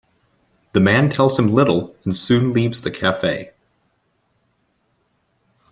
The man tells him little, and soon leaves the cafe.